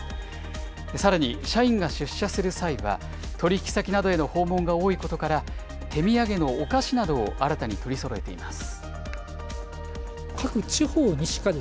さらに、社員が出社する際は、取り引き先などへの訪問が多いことから、手土産のお菓子などを新たに取りそろえています。